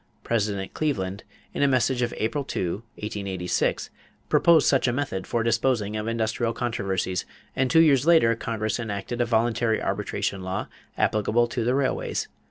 President Cleveland, in a message of April 2, 1886, proposed such a method for disposing of industrial controversies, and two years later Congress enacted a voluntary arbitration law applicable to the railways.